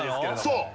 そう！